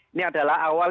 ini adalah awal